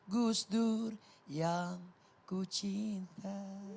gus dur yang ku cinta